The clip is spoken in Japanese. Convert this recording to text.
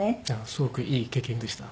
すごくいい経験でした。